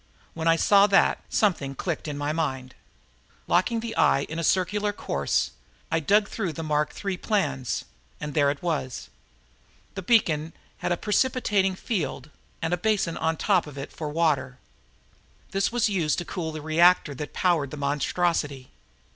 When I saw that, something clicked in my mind. Locking the eye in a circular course, I dug through the Mark III plans and there it was. The beacon had a precipitating field and a basin on top of it for water; this was used to cool the reactor that powered the monstrosity.